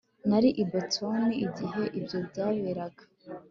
Nari i Boston igihe ibyo byaberaga